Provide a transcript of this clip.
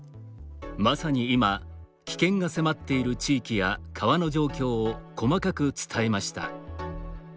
まさに今危険が迫っている地域や川の状況を細かく伝えました。